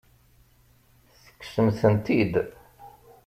Tekksem-tent-id?